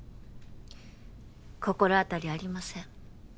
心当たりありません